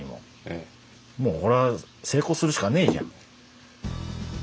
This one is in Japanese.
もうこれは成功するしかねえじゃん。